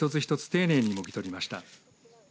丁寧にもぎ取りました。